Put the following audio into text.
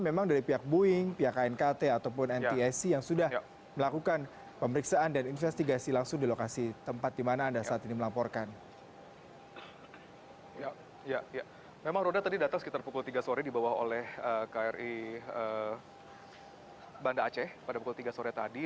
memang roda tadi datang sekitar pukul tiga sore dibawa oleh kri banda aceh pada pukul tiga sore tadi